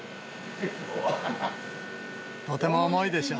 とても重いでしょう。